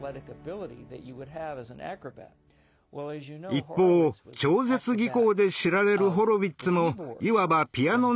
一方超絶技巧で知られるホロヴィッツもいわばピアノの軽業師。